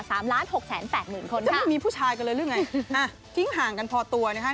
จะไม่มีผู้ชายกันเลยหรือไงทิ้งห่างกันพอตัวนะคะ